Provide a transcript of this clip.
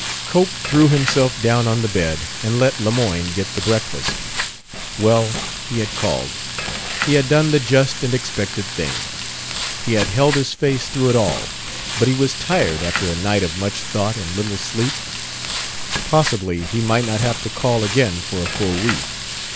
Cope threw himself down on the bed and let Lemoyne get the breakfast. Well, he had called; he had done the just and expected thing; he had held his face through it all; but he was tired after a night of much thought and little sleep. Possibly he might not have to call again for a full week.